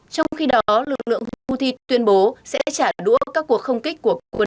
trong khi đó lực lượng houthi tuyên bố sẽ trả đũa các cuộc không kích của quân